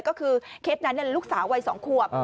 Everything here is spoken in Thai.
ก็คือเคสนั้นลูกสาววัย๒ขวบ